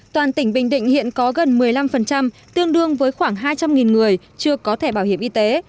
toàn tỉnh bình định hiện có gần một mươi năm tương đương với khoảng hai trăm linh người chưa có thẻ bảo hiểm y tế